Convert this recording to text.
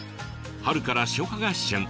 春から初夏が旬。